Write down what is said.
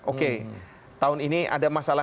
oke tahun ini ada masalah